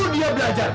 suruh dia belajar